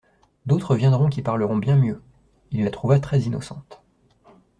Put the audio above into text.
D'autres viendront qui parleront bien mieux.» Il la trouva très-innocente.